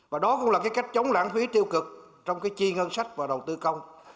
và đó cũng là cái cách chống lãng phí tiêu cực trong cái chi ngân sách và đầu tư công